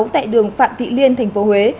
tại đường phạm thị liên tp huế